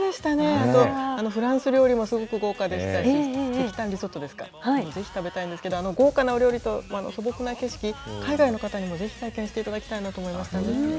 あと、フランス料理もすごく豪華でしたし、石炭リゾットですか、ぜひ食べたいんですけど、豪華なお料理と素朴な景色、海外の方にもぜひ体験していただきたいなと思います。